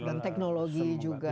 dan teknologi juga